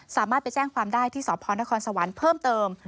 สามารถไปแจ้งความได้ที่สพนครสวรรค์เพิ่มเติม